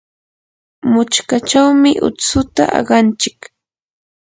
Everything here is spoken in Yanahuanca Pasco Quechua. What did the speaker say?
muchkachawmi utsuta aqanchik.